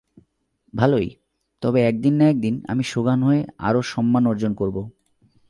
ভালোই, তবে একদিন না একদিন আমি সোগান হয়ে আরো সম্মান অর্জন করব।